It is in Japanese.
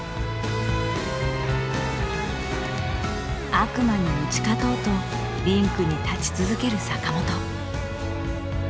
悪魔に打ち勝とうとリンクに立ち続ける坂本。